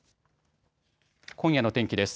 今夜の天気です。